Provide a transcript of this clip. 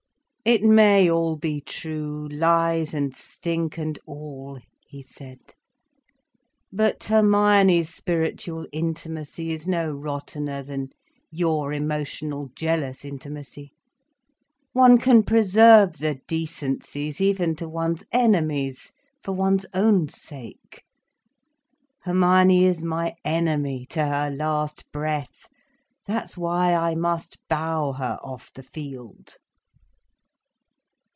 "It may all be true, lies and stink and all," he said. "But Hermione's spiritual intimacy is no rottener than your emotional jealous intimacy. One can preserve the decencies, even to one's enemies: for one's own sake. Hermione is my enemy—to her last breath! That's why I must bow her off the field."